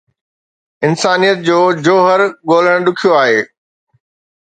انسانيت جو جوهر ڳولڻ ڏکيو آهي.